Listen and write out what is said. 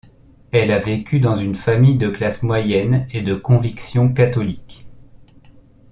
Elle a vécu dans une famille de classe moyenne et de conviction catholique.